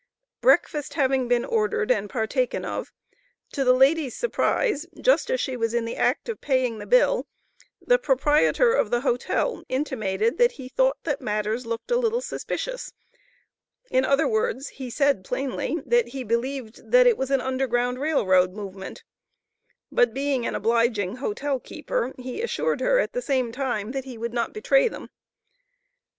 Breakfast having been ordered and partaken of, to the lady's surprise, just as she was in the act of paying the bill, the proprietor of the hotel intimated that he thought that matters "looked a little suspicious," in other words, he said plainly, that he "believed that it was an Underground Rail Road movement;" but being an obliging hotel keeper, he assured her at the same time, that he "would not betray them."